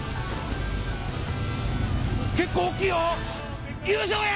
結構大っきいよ！